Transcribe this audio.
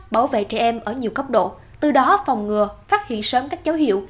bảo vệ trẻ em ở nhiều cấp độ từ đó phòng ngừa phát hiện sớm các dấu hiệu